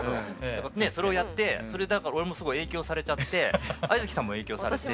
それをやって俺もすごい影響されちゃって愛月さんも影響されて。